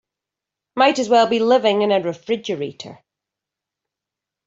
Might as well be living in a refrigerator.